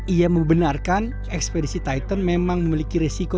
ia membenarkan ekspedisi titan memang memiliki resiko